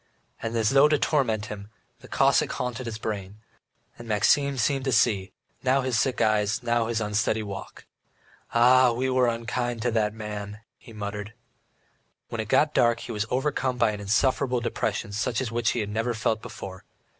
And as though to torment him the Cossack haunted his brain, and Maxim seemed to see now his sick eyes, now his unsteady walk. "Ah, we were unkind to the man," he muttered. When it got dark, he was overcome by an insufferable depression such as he had never felt before.